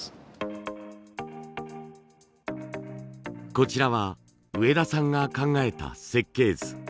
こちらは上田さんが考えた設計図。